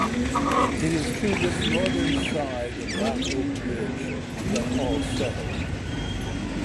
It is to this northern side of Black Oak Ridge that Hall settled.